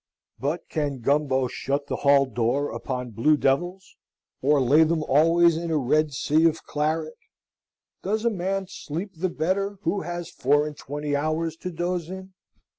But can Gumbo shut the hall door upon blue devils, or lay them always in a red sea of claret? Does a man sleep the better who has four and twenty hours to doze in?